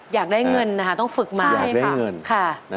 อยากได้เงินนะคะต้องฝึกมา